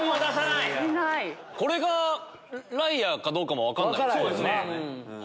これがライアーかどうかも分かんないですよ。